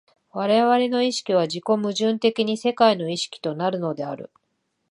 我々の意識は自己矛盾的に世界の意識となるのである。